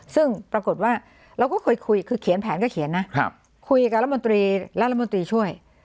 ซึ่งปรากฏว่าเราก็เคยคุยคือเขียนแผนก็เขียนนะคุยกับรัฐมนตรีรัฐมนตรีช่วย